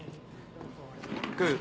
食う？